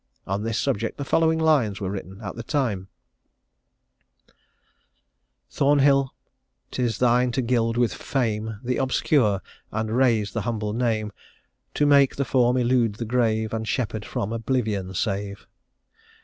On this subject the following lines were written at the time: "Thornhill, 'tis thine to gild with fame The obscure, and raise the humble name; To make the form elude the grave, And Sheppard from oblivion save.